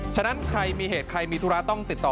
ฉะนั้นใครมีเหตุใครมีธุระต้องติดต่อ